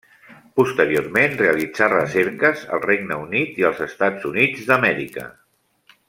Posteriorment realitzà recerques al Regne Unit i als Estats Units d'Amèrica.